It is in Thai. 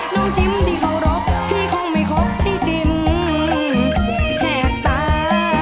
จิ้มที่เคารพพี่คงไม่ครบที่จิ้มแหกตา